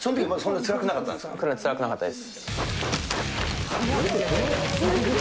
つらくなかったです。